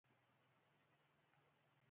ایا زما میرمن به ښه شي؟